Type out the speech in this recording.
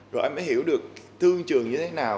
rồi anh mới hiểu được thương trường như thế nào